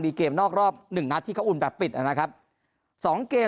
มีเกมนอกรอบหนึ่งนัดที่เขาอุ่นแบบปิดนะครับสองเกม